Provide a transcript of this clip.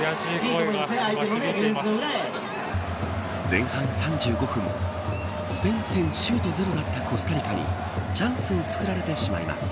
前半３５分スペイン戦、シュート０だったコスタリカにチャンスを作られてしまいます。